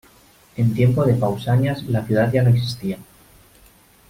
En tiempos de Pausanias la ciudad ya no existía.